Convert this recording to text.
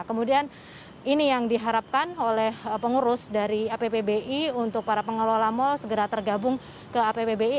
kemudian ini yang diharapkan oleh pengurus dari appbi untuk para pengelola mal segera tergabung ke appbi